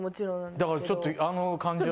だからちょっとあの感じは。